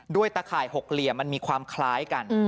ตะข่าย๖เหลี่ยมมันมีความคล้ายกัน